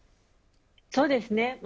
そうですね。